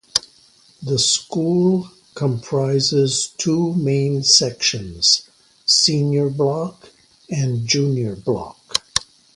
The school comprises two main sections: senior block and junior block.